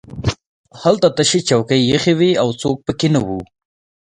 هلته تشې څوکۍ ایښې وې او څوک پکې نه وو